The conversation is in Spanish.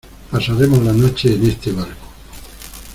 pasaremos la noche en este barco.